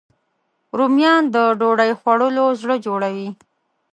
رومیان د ډوډۍ خوړلو زړه جوړوي